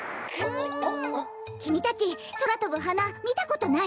きみたちそらとぶはなみたことない？